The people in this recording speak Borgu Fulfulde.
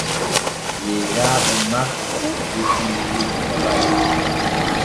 Yeyraaɓe makko defi tew jabayel.